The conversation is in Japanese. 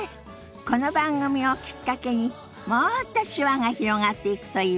この番組をきっかけにもっと手話が広がっていくといいわね。